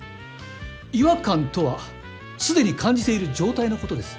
違和感とはすでに感じている状態のことです。